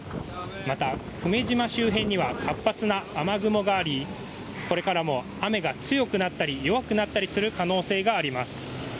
また、久米島周辺には活発な雨雲がありこれからも雨が強くなったり弱くなったりする可能性があります。